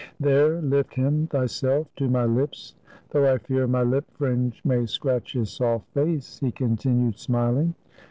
There, Uft him thyself to my Ups, though I fear my lip fringe may scratch his soft face," he continued, smiling.